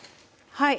はい。